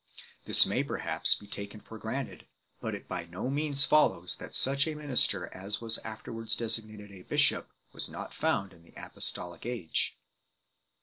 This may, per haps, be taken for granted ; but it by no means follows that such a minister as was afterwards designated a "bishop" was not found in the apostolic age.